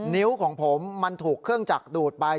นิ้วของผมมันถูกเครื่องจักรดูดไป